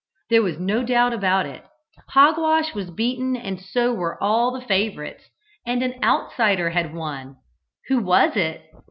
There was no doubt about it. Hogwash was beaten and so were all the favourites, and an outsider had won. Who was it?